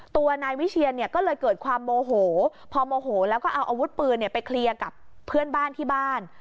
ตัวนายวิเชียนเนี่ยก็เลยเกิดความโมโหพอโมโหแล้วก็เอาอาวุธปืนไปเคลียร์กับเพื่อนบ้านที่บ้าน